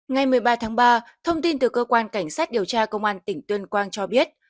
ngày một mươi ba tháng ba thông tin từ cơ quan cảnh sát điều tra công an tỉnh tuyên quang cho biết